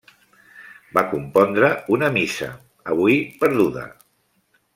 Va compondre una Missa, avui perduda.